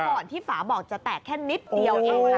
ก่อนที่ฝาบ่อมันจะแตกแค่นิดเดียวเอง